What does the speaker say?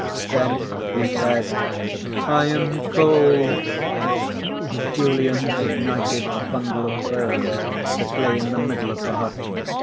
Then he said: "I am cold!" Julian ignited a bundle of ferns that lay in the middle of the hut.